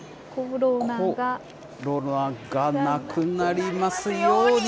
コロナが。なくなりますように。